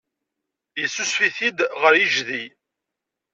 Yessusef-it-id ɣer yejdi.